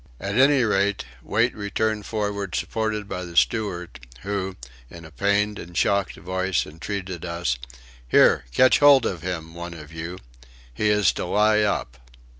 At any rate, Wait returned forward supported by the steward, who, in a pained and shocked voice, entreated us: "Here! Catch hold of him, one of you. He is to lie up."